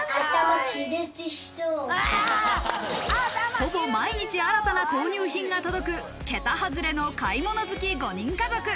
ほぼ毎日、新たな購入品が届く桁外れの買い物好き５人家族。